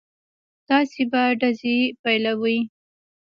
تاسې به ډزې پيلوئ.